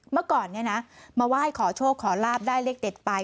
เมื่อก่อนเนี่ยนะมาไหว้ขอโชคขอลาบได้เลขเด็ดไป